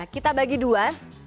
kita bagi dua